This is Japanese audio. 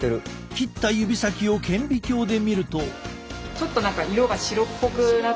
切った指先を顕微鏡で見ると。